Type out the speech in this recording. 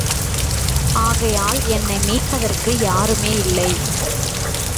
ஆகையால், என்னை மீட்பதற்கு யாருமே இல்லை.